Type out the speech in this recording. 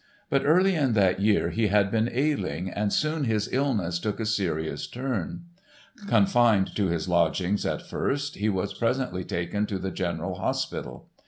But early in that year he had been ailing and soon his illness took a serious turn. Confined to his lodgings at first he was presently taken to the General Hospital.